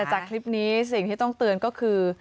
จากคลิปนี้สิ่งที่ต้องเตือนก็คือ